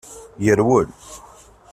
Yerwel.